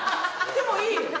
でもいい！